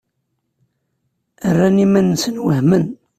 Rran iman-nsen wehmen.